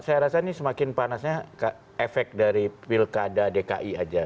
saya rasa ini semakin panasnya efek dari pilkada dki aja